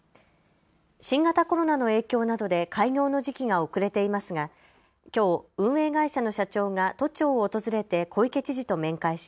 新型コロナの影響などで開業の時期が遅れていますがきょう運営会社の社長が都庁を訪れて小池知事と面会し